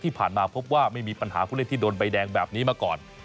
ที่ผ่านมาพบว่าไม่มีปัญหาผู้เล่นที่โดนใบแดงแบบนี้มาก่อน